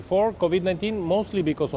fao bahkan memprediksi